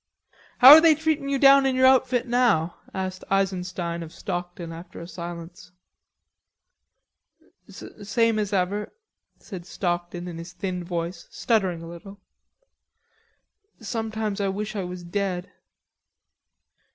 "How are they treatin' you down in your outfit now?" asked Eisenstein of Stockton, after a silence. "Same as ever," said Stockton in his thin voice, stuttering a little.... "Sometimes I wish I was dead."